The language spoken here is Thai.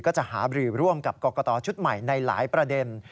ก็จะหาบรือร่วมกับกรกตชุดใหม่ในหลายประเด็น